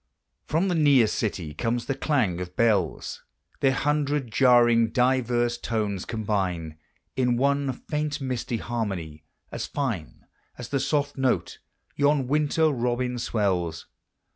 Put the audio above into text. From the near city comes the clang of bells: Their hundred jarring diverse tones combine In one faint misty harmony, as fine As the soft note yon winter robin swells.